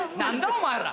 お前ら。